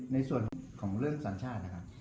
ในส่วนของเรื่องสัญชาตินะครับ